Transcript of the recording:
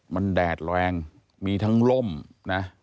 มันแดดแรงมีทั้งล่มนะ